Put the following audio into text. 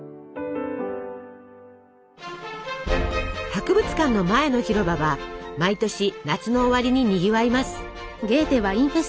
博物館の前の広場は毎年夏の終わりににぎわいます。